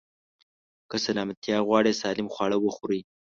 که سلامتيا غواړئ، سالم خواړه وخورئ.